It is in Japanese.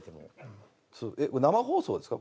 えっ生放送ですか？